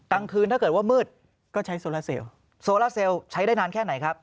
กลางคืนถ้าเกิดว่ามืดก็ใช้โซลาเซลโซล่าเซลใช้ได้นานแค่ไหนครับ